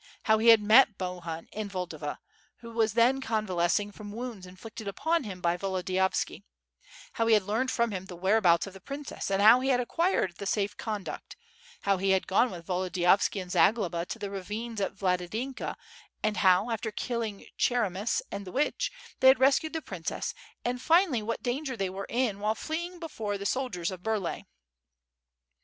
How he had met Bohun in Voldava, who was then con\naJe8cing from, wounds inflicted upon him by Volodiyovski; how he had learned from him the whereabouts of the princess and how he had acquired the safe conduct; how he had gone with Volodiyovski &nd Zagloba to the ravines at Valadynka and how, after killing Cheremis and the witch, they had rescued the princess; and finally what danger they were in while fleeing before the soldiers of Burlay.